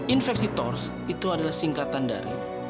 infeksi tors itu adalah singkatan dari